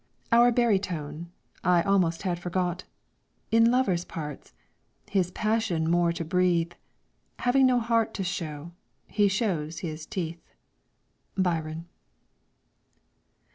"Our Barytone I almost had forgot; In lover's parts, his passion more to breathe, Having no heart to show, he shows his teeth." BYRON.